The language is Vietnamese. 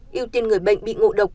yêu tiên người bệnh bị ngộ độc